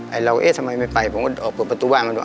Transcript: เราเอ๊ะทำไมไม่ไปผมก็ออกเปิดประตูบ้านมาดู